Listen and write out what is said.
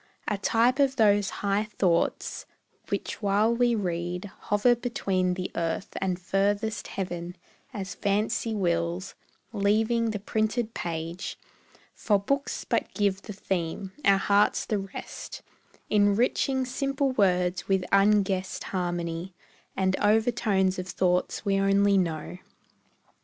A type of those high thoughts, which while we read Hover between the earth and furthest heaven As fancy wills, leaving the printed page; For books but give the theme, our hearts the rest, Enriching simple words with unguessed harmony And overtones of thought we only know.